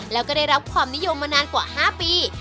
แล้วก็ได้รับความนิยมมานานกว่า๕ปี